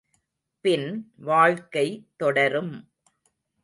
பின் வாழ்க்கை தொடரும்!